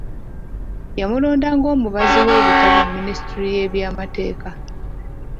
Yamulonda ng'omubazi w'ebitabo mu minisitule y’ebyamateeka.